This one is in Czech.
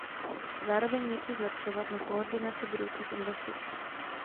Zároveň je co zlepšovat na koordinaci budoucích investic.